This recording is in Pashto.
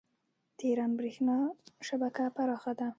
د ایران بریښنا شبکه پراخه ده.